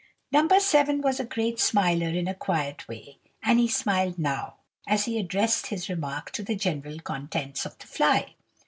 No. 7 was a great smiler in a quiet way, and he smiled now, as he addressed his remark to the general contents of the fly.